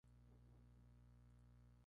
El museo ha mantenido todos ellos hoy en día.